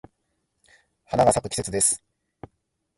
花が咲く季節です。